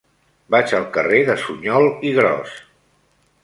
Vaig al carrer de Suñol i Gros.